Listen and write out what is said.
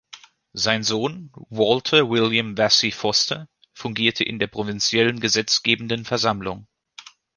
Sein Sohn, Walter William Vassie Foster, fungierte in der provinziellen gesetzgebenden Versammlung.